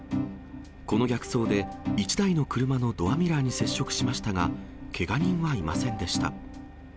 この逆走で１台の車のドアミラーに接触しましたが、けが人はいませんでした。